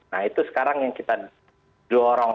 nah itu sekarang yang kita dorong